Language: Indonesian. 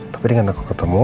tapi dengan aku ketemu